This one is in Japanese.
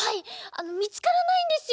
あのみつからないんですよ